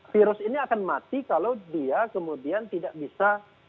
virus ini akan mati kalau dia kemudian tidak bisa